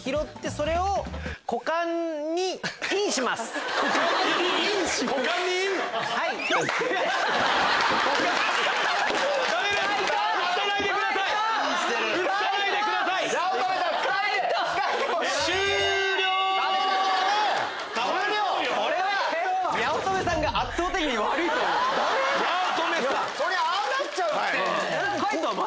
そりゃああなっちゃうって！